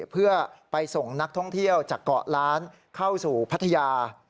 เพื่อไปส่งนักท่องเที่ยวจากเกาะล้านเข้าสู่พัทยา